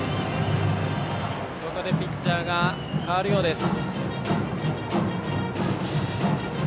ここでピッチャーが代わるようです。